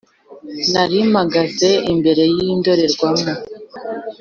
Narimagaze imbere y’indorerwamo